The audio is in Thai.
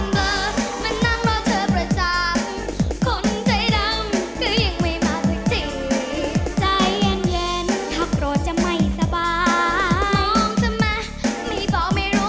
และโดดพิเศษในวันนี้คือเพลงฮิตแบบเปิด